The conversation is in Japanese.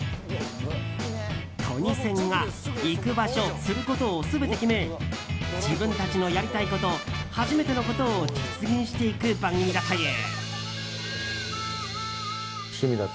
トニセンが行く場所、することを全て決め自分たちのやりたいこと初めてのことを実現していく番組だという。